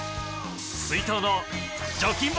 水筒の除菌も！